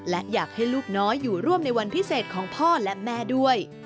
และอยากให้ลูกน้อยอยู่ร่วมในวันพิเศษของพ่อและแม่ด้วย